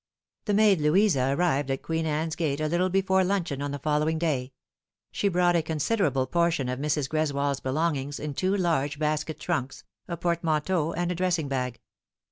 The maid Louisa arrived at Queen Anne's Gate a little before luncheon on the following day. She brought a considerable portion of Mrs. Greswold's belongings in two large basket trunks, a portmanteau, and a dressing bag.